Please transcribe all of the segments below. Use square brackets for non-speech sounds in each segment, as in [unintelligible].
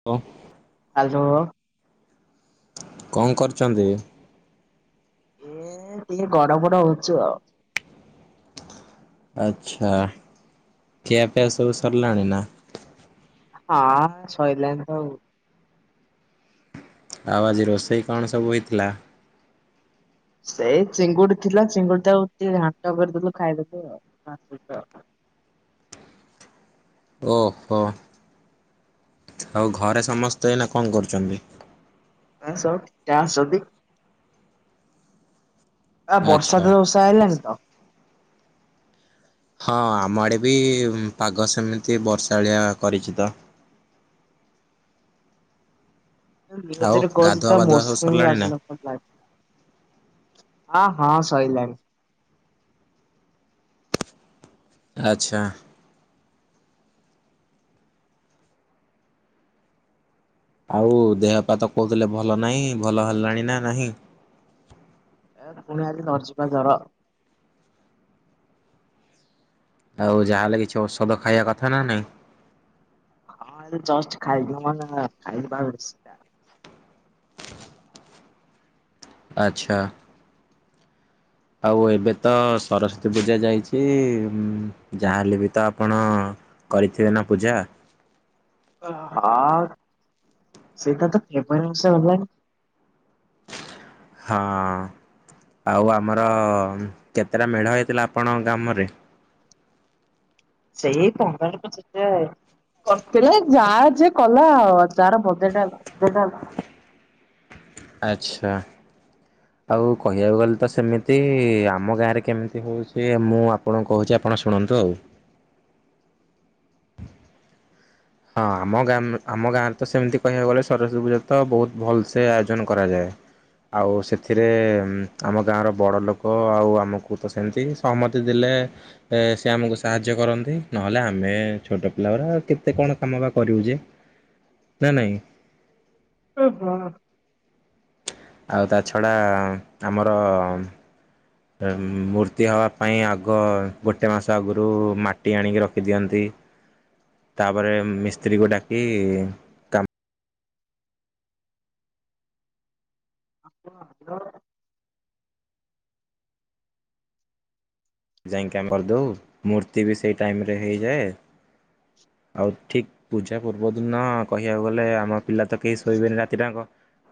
[inaudible] Hello. କଣ କରିଚନ୍ତି? ଏ ଟିକେ ଗଡ ପଡ ହୋଉଚୁ ଆଉ। ଆଚ୍ଛା ଖିଆପିଆ ସବୁ ସରିଲାଣି ନା? ହଁ ଏ ସଇଲାଣି ତ ଆଉ। ଆଉ ଆଜି ରୋଷେଇ କଣ ସବୁ ହେଇଥିଲା? ସେଇ ଚିଙ୍ଗୁଡି ଥିଲା, ଚିଙ୍ଗୁଡି ଟାକୁ ଟିକେ ଘାଣ୍ଟ କରିଦେଲୁ ଖାଇଦେଲୁ ଆଉ [unintelligible] ଓହୋ ଆଉ ଘରେ ସମସ୍ତେ ଏଇନା କଣ କରୁଚନ୍ତି? ଆଁ ସବୁ ଠିକ୍ ଠାକ୍ ଅଛନ୍ତି। ଆ ବର୍ଷା ଆଚ୍ଛା। ତ ଯୋରସେ ଆଇଲାଣି ତ। ହଁ ଆମ ଆଡେ ବି ପାଗ ସେମିତି ବର୍ଷାଳିଆ କରିଚି ତ। [unintelligible] ଆଉ ନିଉଜରେ କୋହୁଚି ଗାଧୁଆ ତ ପାଧୁଆ ସବୁ ମୌସୁମୀ ସରିଲାଣି ନା? ବାଦଲ। [unintelligible] ହଁ ହଁ ସଇଲାଣି। ଆଚ୍ଛା। ଆଉ ଦେହପା ତ କୋଉଥିଲେ ଭଲ ନାହିଁ ଭଲ ହେଲାଣି ନା ନାହିଁ! ଏ ଫୁଣି ଆଜି ଧରିଚି ପା ଜର। ଆଉ ଯାହାହେଲେ କିଛି ଔଷଧ ଖାଇବା କଥା ନା ନାଇଁ। ହଁ ଏଇ ଜଷ୍ଟ ଖାଇକି ମୁଁ ନା ଖାଇଲି ପା ମେଡିସିନ ଟା। ଆଚ୍ଛା। ଆଉ ଏବେ ତ ସରସ୍ଵତୀ ପୂଜା ଯାଇଚି ଯାହାହେଲେ ବି ତ ଆପଣ କରିଥିବେ ନା ପୂଜା? ହଁ ସେଇଟା ତ କେବେ ଏଣିକି ସ‌ଇଲାଣି। ହଁ। ଆଉ ଆମର କେତେଟା ମେଢ ହେଇଥିଲା ଆପଣଙ୍କ ଗାମରେ? ସେଇ ପନ୍ଦର ତ ସେତେ କରିଥିଲେ ଯାହା ଜିଏ କଲା ଆଉ ତାର [unintelligible] ସେଇଟା ହେଲା। ଆଚ୍ଛା। ଆଉ କହିବାକୁ ଗଲେ ତ ସେମିତି ଆମ ଗାଁରେ କେମିତି ହୋଉଚି। ମୁଁ ଆ ପଣଙ୍କୁ କୋହୁଚି ଆପଣ ଶୁଣନ୍ତୁ ଆଉ। ହଁ ଆମ ଗାଁମ୍ ଆମ ଗାଁରେ ତ ସେମିତି କହିବାକୁ ଗଲେ ସରସ୍ଵତୀ ପୂଜା ତ ବହୁତ ଭଲସେ ଆୟୋଜନ କରାଯାଏ। ଆଉ ସେଥିରେ ଆମ ଗାଁର ବଡ଼ ଲୋକ ଆଉ ଆମକୁ ତ ସେମିତି ସହମତି ଦେଲେ। ହେ ଆମକୁ ସାହାଯ୍ୟ କରନ୍ତି ନହେଲେ ଆମେ ଛୋଟ ପିଲାଗୁଡ଼ା କେ। ଏତେ କଣ କାମ ବା କରିବୁ ଯେ ନା ନାଇଁ। ଓହୋ। ଆଉ ତା ଛଡ଼ା ଆମର। ମୂର୍ତ୍ତି ହବା ପାଇଁ ଆଗ ଗୋଟେ ମାସ ଆଗରୁ ମାଟି ଆଣିକି ରଖିଦିଅନ୍ତି। ତାପରେ ମିସ୍ତ୍ରୀ କୁ ଡାକି। କାମ [unintelligible] ଯାଇକି ଆମେ କରିଦଉ ମୂର୍ତ୍ତି ବି ସେଇ ଟାଇମ୍ ରେ ହେଇଯାଏ ଆଉ ଠିକ୍। ପୂଜା ପୂର୍ବ ଦିନ କହିବାକୁ ଗଲେ ଆମ ପିଲା ତ କେହି ଶୋଇବେନି ରାତିଟା ଜାଙ।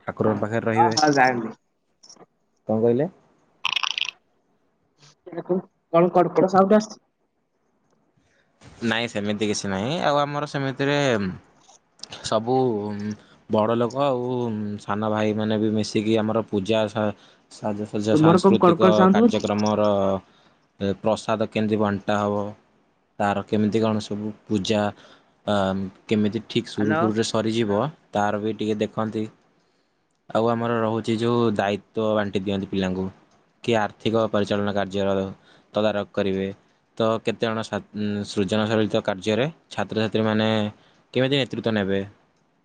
ଠାକୁରଙ୍କ ପାଖରେ ହଁ ରହିବେ ହଁ ଜାଣିଲି କଣ କହିଲେ। କଣ କଡ କଡ ସାଉଣ୍ଡ ଆସୁଛି। ନାଇଁ ସେମିତି କିଛି ନାହିଁ ଆଉ ଆମର ସେମିତିରେ ସବୁ ଉଁ ବଡ ଲୋକ ଆଉ ସାନ ଭାଇ ମାନେ ବି ମିଶିକି ଆମର ପୂଜା ଶ। ସାଜସଜ୍ଜା ତୁମର କଣ କଡକଡ ସାଂସ୍କୃତିକ ସାଉଣ୍ଡ ହଉଛି? କାର୍ଯ୍ୟକ୍ରମ‌। ର ଅ ପ୍ରସାଦ କେମିତି ବଣ୍ଟା ହେବ। ତାର କେମିତି କଣ ସବୁ ପୂଜା ଏମ୍ କେମିତି ଠିକ୍ ହ୍ୟାଲୋ ସୁରୁଖୁରୁରେ। ସରିଯିବ ତାର ବି ଟିକିଏ ଦେଖନ୍ତି। ଆଉ ଆମର ରହୁଛି ଯୋଉ ଦାୟିତ୍ଵ ବାଣ୍ଟି ଦିଅନ୍ତି ପିଲାଙ୍କୁ। କିଏ ଆର୍ଥିକ ପରିଚାଳନା କାର୍ଯ୍ୟରେ ତଦାରଖ କରିବେ ତ କେତେଜଣ। ସୃଜନଶଳିତ କାର୍ଯ୍ୟରେ ଛାତ୍ରଛାତ୍ରୀମାନେ କେମିତି ନେତୃତ୍ୱ ନେବେ।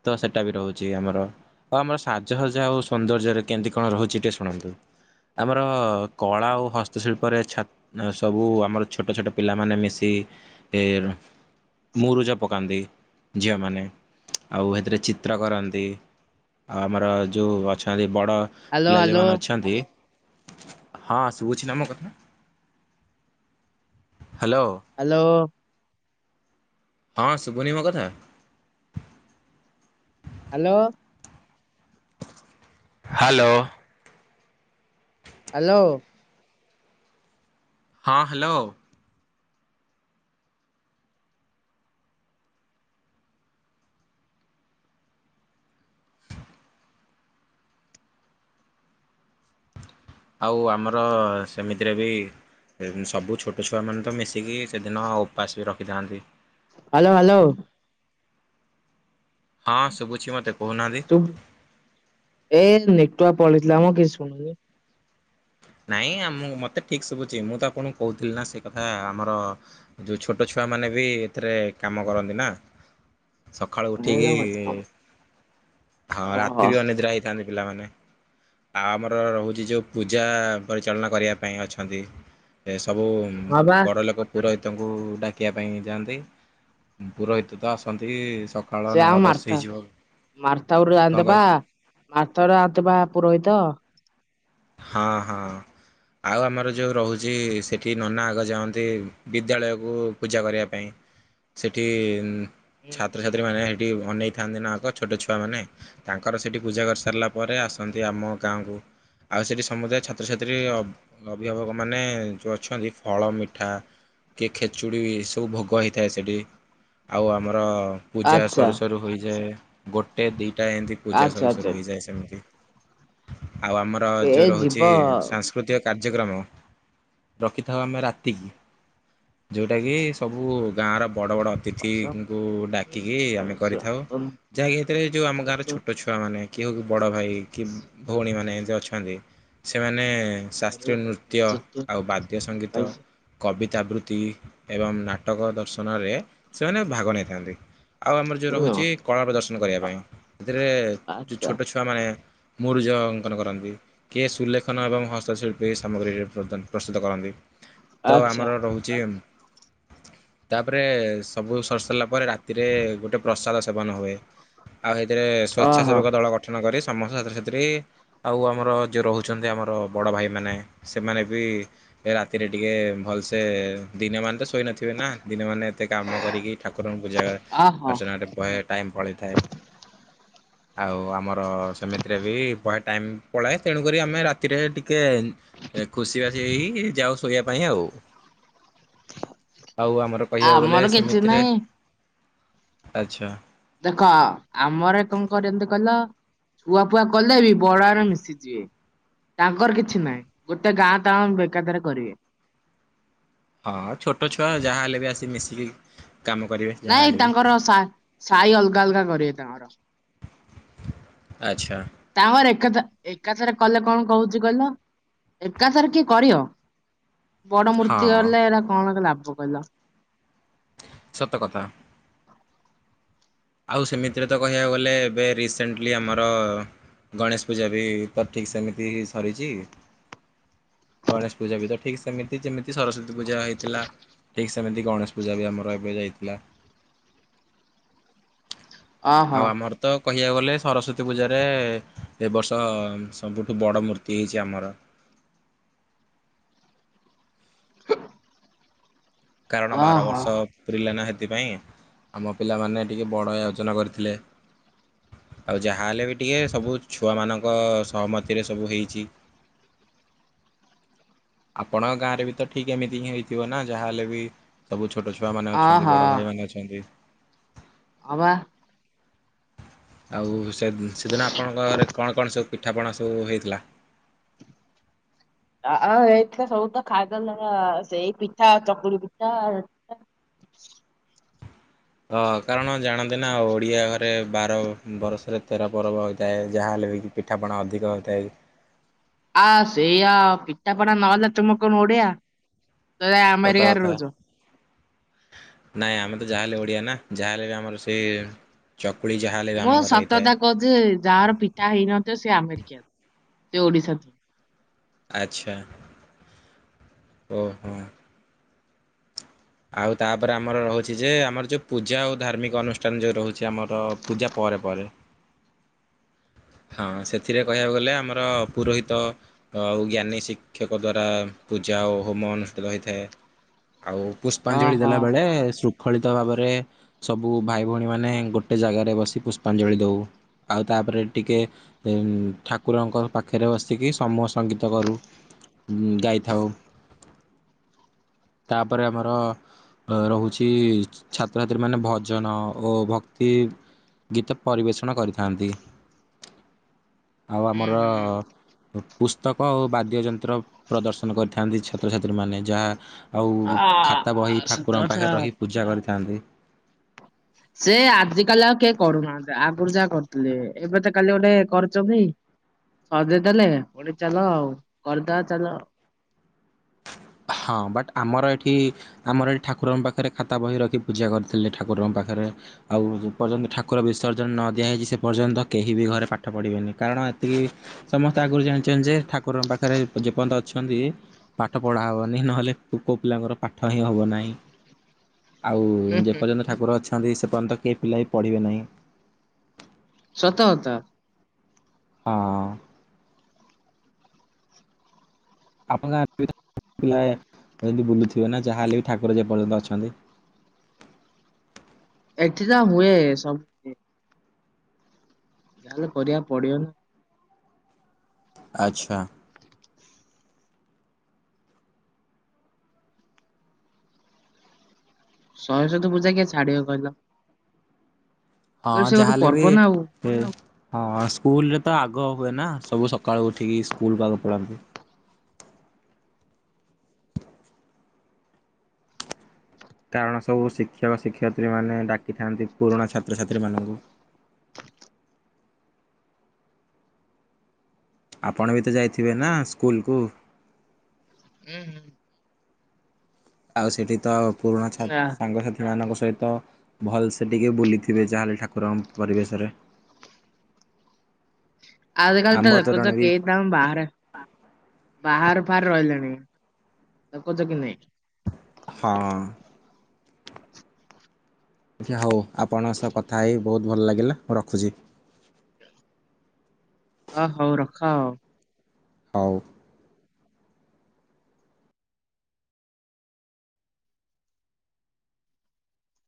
ତ ସେଟା ବି ରହୁଛି ଆମର। ଆଉ ଆମର ସାଜସଜ୍ଜା ଆଉ ସୌନ୍ଦର୍ଯ୍ୟରେ କେମିତି କଣ ରହୁଛି ଟିକେ ଶୁଣନ୍ତୁ। ଆମର କଳା ଓ ହସ୍ତଶିଳ୍ପରେ ଛା ସବୁ ଆମର ଛୋଟ ଛୋଟ ପିଲାମାନେ ମିଶି। ଟି ଏ। ମୁରୁଜ ପକାନ୍ତି ଝିଅମାନେ ଆଉ ସେଥିରେ ଚିତ୍ର କରନ୍ତି। ଆଉ ଆମର ଯୋଉ ଅଛନ୍ତି ବଡ ହ୍ୟାଲୋ ପିଲା ହ୍ୟାଲୋ ଯୋଉମାନେ ଅଛନ୍ତି। ହଁ ଶୁଭୁଛି ନା ମୋ କଥା ହ୍ୟାଲୋ। ହ୍ୟାଲୋ। ହଁ ସୁଭୁନି ମୋ କଥା। ହ୍ୟାଲୋ। ହ୍ୟାଲୋ। ହ୍ୟାଲୋ। ହଁ ହ୍ୟାଲୋ। ଆଉ ଆମର ସେମିତିରେ ବି। ସବୁ ଛୋଟ ଛୁଆମାନେ ତ ମିଶିକି ସେଦିନ ଉପାସ ବି ରଖିଥାନ୍ତି। Hello hello. ହଁ ଶୁଭୁଛି ମତେ। ଶୁଭୁ ଏ ନେଟୱର୍କ ପଳେଇଥିଲା ଆମ କିଛି ଶୁଣୁନି। ନାଇଁ ଆ ମତେ ଠିକ୍ ଶୁଭୁଛି ମୁଁ ତ ଆପଣଙ୍କୁ କହୁଥିଲି ନା ସେ କଥା ଆମର। ଯୋଉଁ ଛୋଟ ଛୁଆମାନେ ବି ଏଥିରେ କାମ କରନ୍ତି ନା। ସକାଳୁ ଓହୋ ଉଠିକି ହଁ ରାତି ବି ଅନିଦ୍ରା ହେଇ। ଥାନ୍ତି ପିଲାମାନେ ଆଉ ଆମର ରହୁଛି ଯୋଉ ପୂଜା। ପରିଚାଳନା କରିବା ପାଇଁ ଅଛନ୍ତି ସବୁ ହଁ ବା ବଡ଼ ଲୋକ। ପୁରୋହିତଙ୍କୁ ଡାକିବା ପାଇଁ ଯାଆନ୍ତି ପୁରୋହିତ ତ ଆସନ୍ତି। ସକାଳ ସେ ଆ ନଅ ଦଶ ମାରତା ହେଇଯିବ ମାରତାଉର କଣ କହ ରାନ୍ଦବା। ମାରତା ରୁ ଆନ୍ତି ବା ପୁରୋହିତ। ହଁ ହଁ। ଆଉ ଆମର ଯୋଉଁ ରହୁଛି ସେଠି ନନା ଆଗ ଯାଆନ୍ତି ବିଦ୍ୟାଳୟକୁ ପୂଜା କରିବା ପାଇଁ। ସେଠି ଛାତ୍ରଛାତ୍ରୀ ମାନେ ସେଠି ଅନେଇଥାନ୍ତି ଆଗ ଛୋଟ ଛୁଆମାନେ। ତାଙ୍କର ସେଠି ପୂଜା କରିସାରିଲା ପରେ ଆସନ୍ତି ଆମ ଗାଁକୁ। ଆଉ ସେଇଠି ସମୁଦାୟ ଛାତ୍ରଛାତ୍ରୀ ଅଭିଭାବକମାନେ ଯୋଉ ଅଛନ୍ତି ଫଳ ମିଠା କିଏ ଖେଚୁଡ଼ି ସବୁ ଭୋଗ ହେଇଥାଏ ସେଠି ଆଉ ଆମର ପୂଜା ଆଚ୍ଛା ସରୁ ସରୁ ହୋଇଯାଏ ଗୋଟେ ଦିଇଟା ଏମିତି ପୂଜା ଆଚ୍ଛା ସରୁ ଆଚ୍ଛା ସରୁ ହେଇଯାଏ ସେମିତି। ଆଉ ଆମର ଯୋଉ ଏ ଯିବ ରହୁଛି ସାସ୍ କୃତିକ କାର୍ଯ୍ୟକ୍ରମ ରଖିଥାଉ ଆମେ ରାତିକି। ଯୋଉଟା କି ସବୁ ଗାଁ ର ବଡ ବଡ ତିଥିଙ୍କୁ ଡାକିକି ଆମେ କରିଥାଉ ଯାହାକି ଏଥିରେ ଯୋଉ ଆମ ଗାଁର ଛୋଟ ଛୁଆମାନେ କି ହେଉ କି ବଡ଼ ଭାଇ କି ଭଉଣୀମାନେ ଏମିତି ଅଛନ୍ତି। ସେମାନେ ଆଚ୍ଛା ଶାସ୍ତ୍ରୀୟ ଆଚ୍ଛା ନୃତ୍ୟ ଆଉ ବାଦ୍ୟ ସଙ୍ଗୀତ କବିତାବୃତ୍ତି ଏବଂ ନାଟକ ଦର୍ଶନରେ ସେମାନେ ଭାଗ ନେଇଥାନ୍ତି। ଆଉ ଆମର ଯୋଉ ରହୁଛି କଳା ପ୍ରଦର୍ଶନ କରିବା ପାଇଁ ସେଥିରେ ଯୋଉ ଛୋଟ ଛୁଆମାନେ ମୁରୁଜ ଅଙ୍କନ କରନ୍ତି। କିଏ ସୁଲେଖନ ଏବଂ ହସ୍ତଶିଳ୍ପୀ ସାମଗ୍ରୀ ପ୍ରସ୍ତୁତ କରନ୍ତି। ତ ଆମର ରହୁଛି ତାପରେ ସବୁ ସରି ସାରିଲା ପରେ ରାତିରେ ଗୋଟେ ପ୍ରସାଦ ସେବନ ହୁଏ। ଆଉ ସେଇଥିରେ ଓହୋ। ସ୍ଵେ୍ଛା ଓହୋ ସେବକ ଦଳ ଗଠନ କରି ସମସ୍ତ ଛାତ୍ରଛାତ୍ରୀ ଆଉ ଆମର ଯିଏ ରହୁଛନ୍ତି ଆମର ବଡ଼ ଭାଇମାନେ ସେମାନେ ବି ରାତିରେ ଟିକେ ଭଲସେ ଦିନ ମାନେ ତ ଶୋଇ ନଥିବେ ନା ଦିନ ମାନେ ଏତେ କାମ କରିକି ଠାକୁର କୁରଙ୍କୁ ପୂଜା ଆହୋ ଅର୍ଚ୍ଚନାରେ ବହେ ଟାଇମ୍ ପଳେଇଥାଏ। ଆଉ ଆମର ସେମିତିରେ ବି ଭୟେ ଟାଇମ୍ ପଳାଏ। ତେଣୁ କରି ଆମେ ରାତିରେ ଟିକେ ଖୁସି ବାସି ହେଇ ଯାଉ ଶୋଇବା ପାଇଁ ଆଉ। ଆଉ ଆମର କହିବାକୁ ଗଲେ ଆମର କିଛି ସେମିତିରେ ନାହିଁ ଆଚ୍ଛା। ଦେଖ ଆମର କଣ କରନ୍ତି କହିଲ ପୁଆ ଫୁଆ କଲେ ବି ବଡରେ ମିଶିଯିବେ। ତାଙ୍କର କିଛି ନାହିଁ ଗୋଟେ ଗାଁ ତ ବେକାଦରେ କରିବେ। ହଁ ହଁ ଛୋଟ ଛୁଆ ଯାହା ହେଲେ ବି ଆସି ମିଶିକି କାମ କରିବେ। ନାଇଁ ଯାହାହେଲେ ବି। ତାଙ୍କର ସା ସାହି ଅଲଗା ଅଲଗା କରିବେ ତାଙ୍କର। ଆଚ୍ଛା। ତାଙ୍କର ଏକାଥ ଏକାଥାରେ କଲେ କଣ କହୁଛି କହିଲ ଏକାଥରେ କିଏ କରହ ବଡ ହଁ ମୂର୍ତ୍ତି ଗଲେ ଏଟା କଣ ଲାଭ କହିଲ। ସତକଥା। ଆଉ ସେମିତିରେ ତ କହିବାକୁ ଗଲେ ଏବେ ରିସେଣ୍ଟଲି ଆମର ଗଣେଶ ପୂଜା ବି ତ ଠିକ୍ ସେମିତି ସରିଛି। ଗଣେଶ ପୂଜା ବି ତ ଠିକ୍ ସେମିତି ଯେମିତି ସରସ୍ଵତୀ ପୂଜା ହେଇଥିଲା ଠିକ୍ ସେମିତି ଗଣେଶ ପୂଜା ବି ଆମର ଏବେ ଯାଇଥିଲା। ଓହୋ ଆଉ ଆମର ତ କହିବାକୁ ଗଲେ ସରସ୍ଵତୀ ପୂଜାରେ ଏବ ବର୍ଷ ସବୁଠୁ ବଡ଼ ମୂର୍ତ୍ତି ହେଇଛି ଆମର। କାରଣ ବାର ଓହୋ ବର୍ଷ ପୁରିଲା ନା ସେଥିପାଇଁ ଆମ ପିଲାମାନେ ଟିକିଏ ବଡ଼ ଆୟୋଜନ କରିଥିଲେ। ଆଉ ଯାହାହେଲେ ବି ଟିକେ ସବୁ ଛୁଆମାନଙ୍କ ସହମତିରେ ସବୁ ହେଇଛି। ଆପଣଙ୍କ ଗାଁ ରେ ବି ତ ଠିକ ଏମିତି ହିଁ ହେଇଥିବ ନା ଯାହାହେଲେ ବି ସବୁ ଛୋଟ ଛୁଆମାନେ ଅଛନ୍ତି ଓହୋ ବଡ଼ ଭାଇମାନେ ଅଛନ୍ତି। ହଁ ବା। ଆଉ ସେ ସେଦିନ ଆପଣଙ୍କ ଘରେ କଣ କଣ ସବୁ ପିଠାପଣା ସବୁ ହେଇଥିଲା? ଆ ଏଇଥିଲା ସବୁ ତ ଖାଇଦେଲା ସେଇ ପିଠା ଚକୁଳି ପିଠା ଅ କାରଣ ଜାଣନ୍ତି ନା ଓଡିଆଘରେ ରେ ବାର ବରସ ରେ ତେର ପର୍ବ ହୋଇଥାଏ ଯାହାହେଲେ ବି କି ପିଠାପଣା ଅଧିକ ହୋଇଥାଏ। ଆ ସେଇଆ ପିଠାପଣା ନହେଲେ ତୁମେ କଣ ଓଡ଼ିଆ। ସତ କଥା। ନାଇଁ ଆମେ ତ ଯାହାହେଲେ ଓଡ଼ିଆ ନା, ଯାହାହେଲେ ବି ଆମର ସେଇ ଚକୁଳି ଯାହା ମୁଁ ସତକଥା କହୁଛି, ଯାହାର ପିଠା ହେଇନଥିବ ସେ ଆମେରିକାନ, ସେ ଓଡିଶା ନୁହଁ। ଆଚ୍ଛା। ଓହୋ। ଆଉ ତାପରେ ଆମର ରହୁଛି ଯେ, ଆମର ଯୋଉ ପୂଜା ଆଉ ଧାର୍ମିକ ଅନୁଷ୍ଠାନ ଯୋଉ ରହୁଛି ଆମର ପୂଜା ପରେ ପରେ ହଁ ସେଥିରେ କହିଆକୁ ଗଲେ ଆମର ପୁରୋହିତ ଆଉ ଜ୍ଞାନୀ ଶିକ୍ଷକ ଦ୍ଵାରା ପୂଜା ଓ ହୋମ ଅନୁଷ୍ଠିତ ହୋଇଥାଏ। ଆଉ ପୁଷ୍ପାଞ୍ଜଳି ଓହୋ ଦେଲାବେଳେ ଶୃ ଙ୍ଖଳିତ ଭାବରେ, ସବୁ ଭାଇ ଭଉଣୀମାନେ ଗୋଟେ ଜାଗାରେ ବସି ପୁଷ୍ପାଞ୍ଜଳି ଦଉ ଆଉ ତାପରେ ଟିକେ ଉମ୍ ଠାକୁରଙ୍କ ପାଖରେ ବସିକି ସମୂହ ସଙ୍ଗୀତ କରୁ ଉମ୍ ଯାଇଥାଉ, ତାପରେ ଆମର ରହୁଛି ଛାତ୍ରଛାତ୍ରୀମାନେ ଭଜନ ଓ ଭକ୍ତି ଗୀତ ପରିବେଷଣ କରିଥାନ୍ତି। ଆଉ ହୁଁ ଆମର ହୁଁ ପୁସ୍ତକ ଆଉ ବାଦ୍ୟ ଯନ୍ ନ୍ତ୍ର ପ୍ରଦର୍ଶନ କରିଥାନ୍ତି ଛାତ୍ରଛାତ୍ରୀମାନେ, ଯାହା ଆଉ ଆ ଖାତା ବହି ଠାକୁରଙ୍କ ସତକଥା। ପାଖରେ ରହି ପୂଜା କରିଥାନ୍ତି ସେ ଆଜିକାଲି ଆଉ କିଏ କରୁନାହାଁନ୍ତି, ଆଗୁରୁ ଯାହା କରୁଥିଲେ। ଏବେ ତ କାଲି ଗୋଟେ କରିଛନ୍ତି ସଜେଇଦେଲେ ପୁଡି ଚାଲ ଆଉ। କରିଦବା ଚାଲ ଆଉ। ହଁ, ବଟ୍ ଆମର ଏଠି ଆମର ଏଠି ଠାକୁରଙ୍କ ପାଖରେ ଖାତା ବହି ରଖି ପୂଜା କରିଥିଲେ ଠାକୁରଙ୍କ ପାଖରେ ଆଉ ଯେ ପର୍ଯ୍ୟନ୍ତ ଠାକୁର ବିସର୍ଜନ ନ ଦିଆହେଇଛି, ସେ ପର୍ଯ୍ୟନ୍ତ କେହି ବି ଘରେ ପାଠ ପଢ଼ିବେନି। କାରଣ ଏତିକି ସମସ୍ତେ ଆଗରୁ ଜାଣିଛନ୍ତି ଯେ, ଠାକୁରଙ୍କ ପାଖରେ ଯେପର୍ଯ୍ୟନ୍ତ ଅଛନ୍ତି ପାଠ ପଢା ହବ ନହେଲେ ପୁଅପିଲାଙ୍କର ପାଠ ହିଁ ହବ ନାହିଁ। ଆଉ ଉଁ ହୁଁ ଯେପର୍ଯ୍ୟନ୍ତ ଠାକୁର ଅଛନ୍ତି ସେପର୍ଯ୍ୟନ୍ତ କେହି ପିଲା ବି ପଢ଼ିବେ ନାହିଁ। ସତକଥା। ହଁ। ଆପଣ ଗାଁରେ ପିଲା [unintelligible] ଏମିତି ବୁଲୁଥିବେ ନା, ଯାହାହଲେ ବି ଠାକୁର ଯେପର୍ଯ୍ୟନ୍ତ ଅଛନ୍ତି। ଏଠି ତ ହୁଏ ସବୁ ଯାହେଲେ କରିବାକୁ ପଡିବନି। ଆଚ୍ଛା। ସରସ୍ଵତୀ ପୂଜା କିଏ ଛାଡିବ କହିଲ? ହଁ କହିଲ ସେ ଗୋଟେ ଯାହାହେଲେ ବି ପର୍ବ ନା ଆଉ। ସେ, ହଁ ସ୍କୁଲରେ ତ ଆଗ ହୁଏ ନା, ସବୁ ସକାଳୁ ଉଠିକି ସ୍କୁଲକୁ ଆଗ ପଳାନ୍ତି। କାରଣ ସବୁ ଶିକ୍ଷକ ଶିକ୍ଷୟତ୍ରୀମାନେ ଡାକିଥାନ୍ତି ପୁରୁଣା ଛାତ୍ରଛାତ୍ରୀମାନୁଙ୍କୁ। ଆପଣ ବି ତ ଯାଇଥିବେ ନା ସ୍କୁଲକୁ? ହୁଁ ହୁଁ। ଆଉ ସେଠି ତ ପୁରୁଣା ଛା ନା ସାଙ୍ଗସାଥି ସେମାନଙ୍କ ସହିତ ଭଲସେ ଟିକେ ବୁଲିଥିବେ, ଯାହାହେଲେ ଠାକୁରଙ୍କ ପରିବେଶରେ। [inaudible] ଆଜି କାଲି ତ ଆମ୍ବ ଦେଖୁଛ ତୋରଣୀ ବି କେହି ବାହାରେ, ବାହାର ଫାହାର ରହିଲେଣି। ଦେଖୁଛ କି ନାହିଁ? ହଁ ଅଁ। ଆଚ୍ଛା ହଉ, ଆପଣଙ୍କ ସହ କଥା ହେଇ ବହୁତ ଭଲ ଲାଗିଲା, ମୁଁ ରଖୁଛି। ଓ ହଉ ରଖ ଆଉ। ହଉ।